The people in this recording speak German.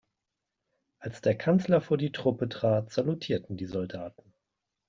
Als der Kanzler vor die Truppe trat, salutierten die Soldaten.